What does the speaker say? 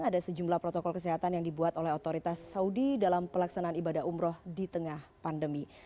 ada sejumlah protokol kesehatan yang dibuat oleh otoritas saudi dalam pelaksanaan ibadah umroh di tengah pandemi